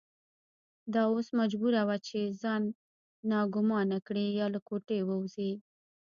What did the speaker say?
دا اوس مجبوره وه چې ځان ناګومانه کړي یا له کوټې ووځي.